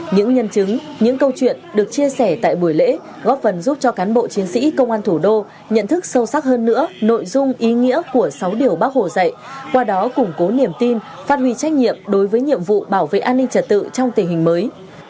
những nhân chứng những câu chuyện được chia sẻ tại buổi lễ góp phần giúp cho cán bộ chiến sĩ công an thủ đô nhận thức sâu sắc hơn nữa nội dung ý nghĩa của sáu điều bác hồ dạy qua đó củng cố niềm tin phát huy trách nhiệm đối với nhiệm vụ bảo vệ an ninh trật tự trong tình hình mới